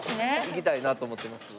いきたいなと思ってます。